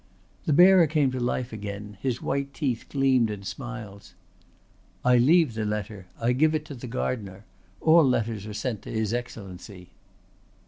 The bearer came to life again, his white teeth gleamed in smiles. "I leave the letter. I give it to the gardener. All letters are sent to his Excellency."